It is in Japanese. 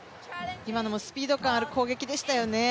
今のもスピード感ある攻撃でしたよね。